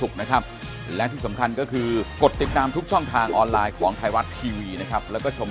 ขอบคุณครับ